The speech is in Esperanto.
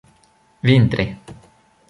vintre